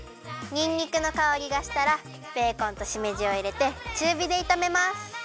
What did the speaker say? にんにくのかおりがしたらベーコンとしめじをいれてちゅうびでいためます。